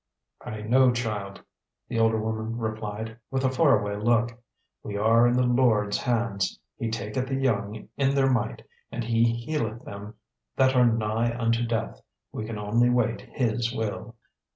"I know, child," the older woman replied, with a faraway look. "We are in the Lord's hands. He taketh the young in their might, and He healeth them that are nigh unto death. We can only wait His will."